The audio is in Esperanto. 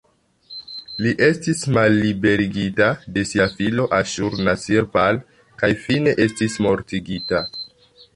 Li estis malliberigita de sia filo "Aŝur-nasir-pal" kaj fine estis mortigita.